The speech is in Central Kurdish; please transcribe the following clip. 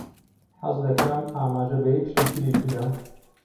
حەز دەکەم ئاماژە بە یەک شتی تریش بدەم.